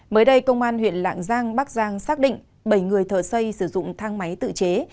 mới đây công an huyện lạng giang bắc giang xác định bảy người thợ xây sử dụng thang máy tự chế